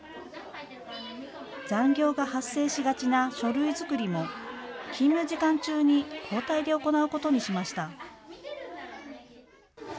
残業が発生しがちな書類作りも勤務時間中に交代で行うことにしました。